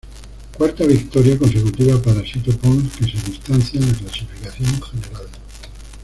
Cuarta victoria consecutiva para Sito Pons, que se distancia en la clasificación general.